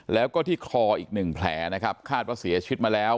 แล้วก็ที่คออีกหนึ่งแผลนะครับคาดว่าเสียชีวิตมาแล้ว